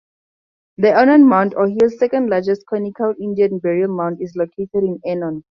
The Enon Mound, Ohio's second largest conical Indian burial mound, is located in Enon.